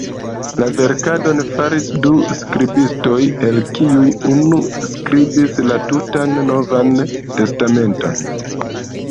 La verkadon faris du skribistoj, el kiuj unu skribis la tutan Novan Testamenton.